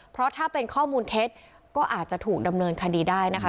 เพราะถ้าเป็นข้อมูลเท็จก็อาจจะถูกดำเนินคดีได้นะคะ